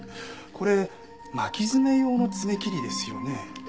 これ巻き爪用の爪切りですよね？